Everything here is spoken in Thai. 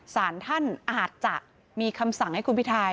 สารท่านอาจจะมีคำสั่งให้คุณพิทาย